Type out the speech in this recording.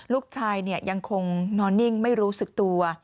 ยังคงนอนนิ่งไม่รู้สึกตัว